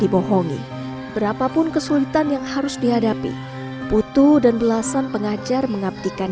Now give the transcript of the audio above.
dibohongi berapapun kesulitan yang harus dihadapi putu dan belasan pengajar mengabdikan